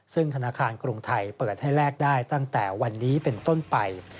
ซึ่งธนาคารกรุงไทยเปิดให้แลกได้ตั้งแต่วันนี้เป็นต้นไป